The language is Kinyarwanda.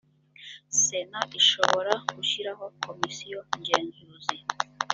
sena ishobora gushyiraho komisiyo ngenzuzi.